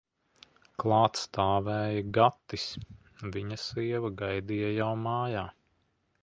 Klāt stāvēja Gatis, viņa sieva gaidīja jau mājā.